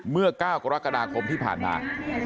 เมื่อ๙กรกฎาคมที่ผ่านมา